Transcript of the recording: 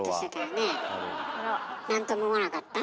なんとも思わなかった？